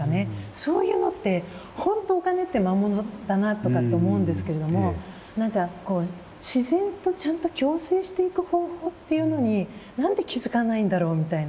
そういうのってホントお金って魔物だなとかって思うんですけれども何か自然とちゃんと共生していく方法っていうのに何で気付かないんだろうみたいな。